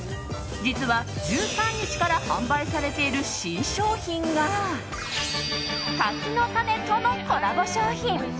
実は、１３日から販売されている新商品が柿の種とのコラボ商品。